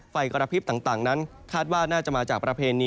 เฟ่ย์กรพฤษต่างนั้นคาดว่าน่าจะมาจาก